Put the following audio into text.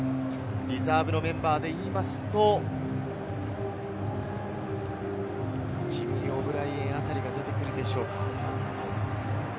リザーブのメンバーで言うと、ジミー・オブライエンあたりが出てくるでしょうか？